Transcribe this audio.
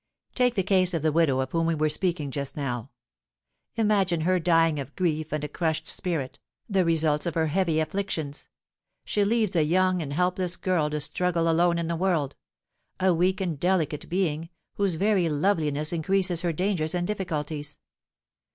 Take the case of the widow of whom we were speaking just now, imagine her dying of grief and a crushed spirit, the results of her heavy afflictions; she leaves a young and helpless girl to struggle alone in the world, a weak and delicate being, whose very loveliness increases her dangers and difficulties.